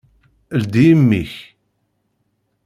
Ldi imi-k.